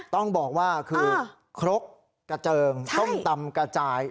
ต้องบอกว่าคือครกกระเจิงส้มตำกระจาย